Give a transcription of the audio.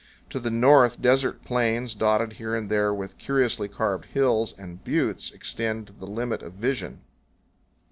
To the north, desert plains, dotted here and there with curiously carved hills and buttes, extend to the limit of vision.